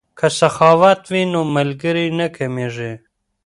که سخاوت وي نو ملګری نه کمیږي.